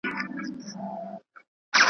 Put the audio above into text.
مُلا به څنګه دلته پاچا وای .